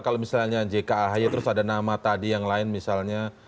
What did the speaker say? kalau misalnya jk ahy terus ada nama tadi yang lain misalnya